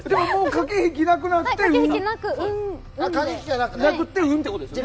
駆け引きはなくなって運ってことですね。